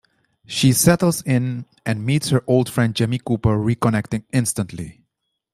She settles in, and meets her old friend Jimmy Cooper, reconnecting instantly.